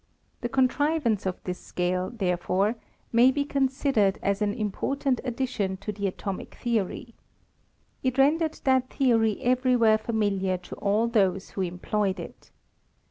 The contrivance of this scale, therefore, may be considered as an important addition to the atomic theory. It rendered that theory every where familiar to all those who employed it.